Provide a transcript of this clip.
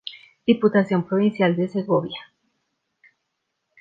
Diputación Provincial de Segovia.